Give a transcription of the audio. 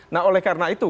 nah oleh karena itu